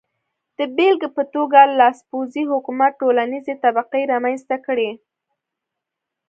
د بېلګې په توګه لاسپوڅي حکومت ټولنیزې طبقې رامنځته کړې.